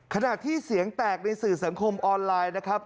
ขณะที่เสียงแตกในสื่อสังคมออนไลน์นะครับ